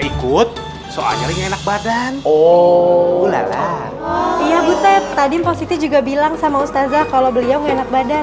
ikut soalnya enak badan oh iya butet tadi positi juga bilang sama ustadz kalau beliau enak badan